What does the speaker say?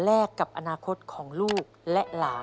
กับอนาคตของลูกและหลาน